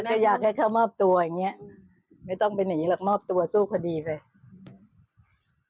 ก็อยากให้เขามอบตัวอย่างเงี้ยไม่ต้องเป็นอย่างนี้หรอกมอบตัวสู้คดีไป